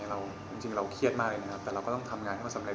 เราเครียดมากเลยนะครับแต่เราก็ต้องทำงานให้มันสำเร็จ